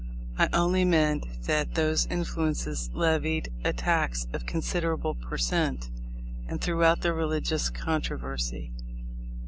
I only mean that those influences levied a tax of consider able per cent, and throughout the religious contro versy."